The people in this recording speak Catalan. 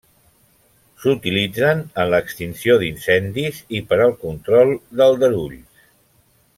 S'utilitzen en l'extinció d'incendis i per al control d'aldarulls.